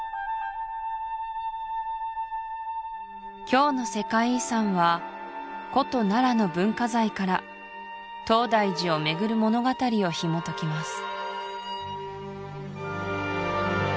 今日の世界遺産は古都奈良の文化財から東大寺をめぐる物語をひもときます